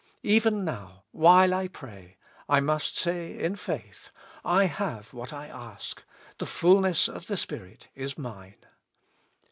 Even now, while I pray, I must say in faith : I have what I ask, the fulness of the Spirit is mine.